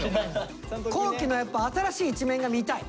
皇輝のやっぱ新しい一面が見たい。